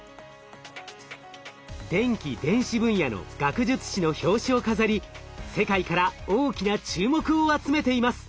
電気・電子分野の学術誌の表紙を飾り世界から大きな注目を集めています。